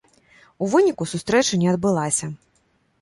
У выніку, сустрэча не адбылася.